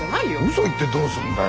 嘘言ってどうすんだよ。